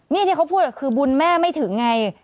นี่ที่เขาพูดคือบุญแม่ไม่ถึงไง